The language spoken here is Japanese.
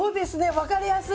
分かりやすい。